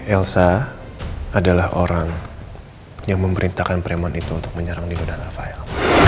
elsa adalah orang yang memberitahukan bremen itu untuk menyerang di medan rafael